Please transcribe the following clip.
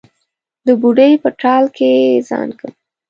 د بوډۍ په ټال کې زانګم